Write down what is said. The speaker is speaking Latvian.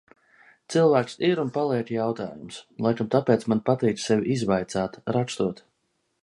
Cilvēks ir un paliek jautājums. Laikam tāpēc man patīk sevi izvaicāt, rakstot.